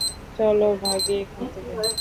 চলো ভাগি এখান থেকে।